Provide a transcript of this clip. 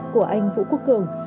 của anh vũ quốc cường